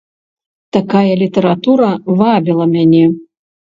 Такая літаратура вабіла мяне.